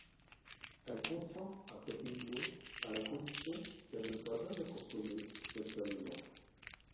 Elle consent à cette union à la condition qu'elle ne soit jamais consommée sexuellement.